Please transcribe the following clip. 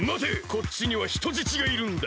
こっちにはひとじちがいるんだ。